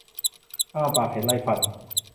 อ้าปากเห็นไรฟัน